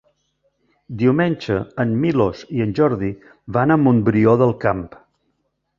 Diumenge en Milos i en Jordi van a Montbrió del Camp.